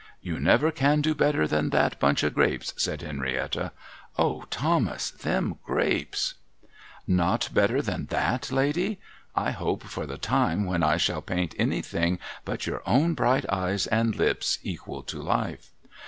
* You never can do better than that bunch of grapes,' said Henrietta. ' Oh, Thomas, them grapes !' SOFTER SENTIMENTS BEGIN TO EBB 313 ' Not better than that, lady ? I hope for the time when I shall paint anything but your own bright eyes and lips equal to life.'